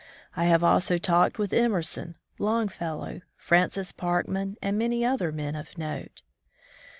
I have also talked with Emerson, Longfellow, Francis Parkman, and many other men of note.